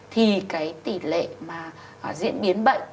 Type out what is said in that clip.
thì cái tỷ lệ mà diễn biến bệnh